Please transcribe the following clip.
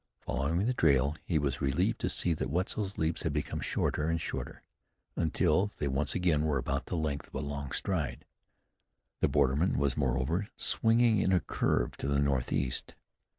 Following the trail, he was relieved to see that Wetzel's leaps had become shorter and shorter, until they once again were about the length of a long stride. The borderman was, moreover, swinging in a curve to the northeast.